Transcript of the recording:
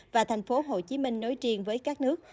và thành phố hồ chí minh nói riêng với các nước